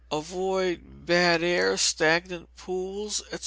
Avoid bad air, stagnant pools, &c.